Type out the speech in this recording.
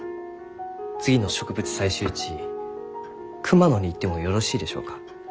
次の植物採集地熊野に行ってもよろしいでしょうか？